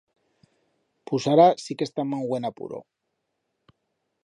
Pus ara sí que estam a un buen apuro.